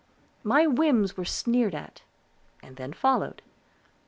My whims were sneered at, and then followed.